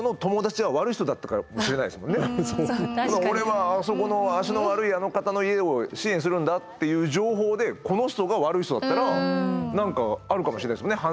俺はあそこの足の悪いあの方の家を支援するんだっていう情報でこの人が悪い人だったら何かあるかもしれないですよね。